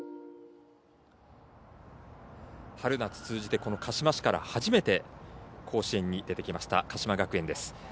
春夏通じてこの鹿嶋市から初めて、甲子園に出てきました鹿島学園です。